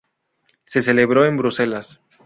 Se celebró en Bruselas.